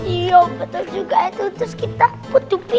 iya betul juga ya terus kita putupi